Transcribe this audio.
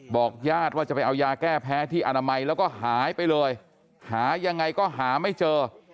ญาติว่าจะไปเอายาแก้แพ้ที่อนามัยแล้วก็หายไปเลยหายังไงก็หาไม่เจอ